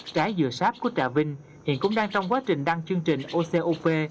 trái dừa sáp của trà vinh hiện cũng đang trong quá trình đăng chương trình ocop